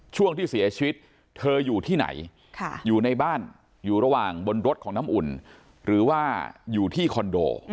ช่วงที่เสียชีวิตเธออยู่ที่ไหนอยู่ในบ้านอยู่ระหว่างบนรถของน้ำอุ่นหรือว่าอยู่ที่คอนโด